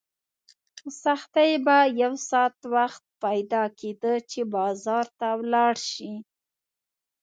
په سختۍ به یو ساعت وخت پیدا کېده چې بازار ته ولاړ شې.